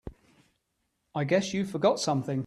I guess you forgot something.